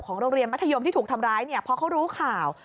ของโรงเรียนมัธยมที่ถูกทำร้ายเพราะเขารู้ข่าว